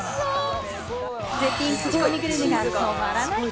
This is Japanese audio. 絶品クチコミグルメが止まらない。